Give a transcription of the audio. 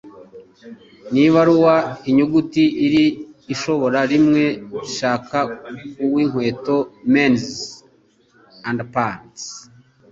Ni ibaruwa inyuguti iri ushobora Rimwe Shaka Ku w'inkweto Mens Underpants